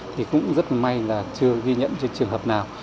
thì cũng rất may là chưa ghi nhận trên trường hợp nào